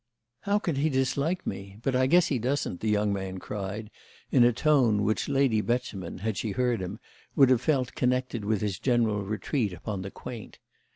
"How can he dislike me? But I guess he doesn't!" the young man cried in a tone which Lady Beauchemin, had she heard him, would have felt connected with his general retreat upon the quaint.